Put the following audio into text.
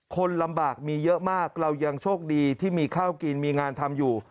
คนลำบากมีเยอะมากเรายังโชคดีที่มีข้าวกินมีงานทำอยู่